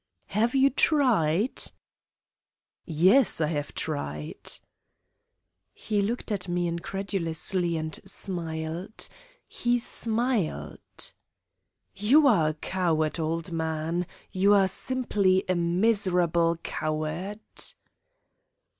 "Have you tried?" "Yes, I have tried." He looked at me incredulously and smiled. He smiled! "You are a coward, old man. You are simply a miserable coward."